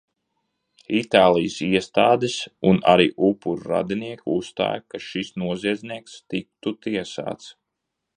Itālijas iestādes un arī upuru radinieki uzstāj, lai šis noziedznieks tiktu tiesāts.